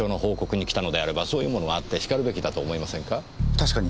確かに。